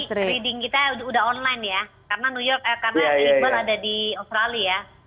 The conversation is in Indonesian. iya readingnya harus online kata mbak asri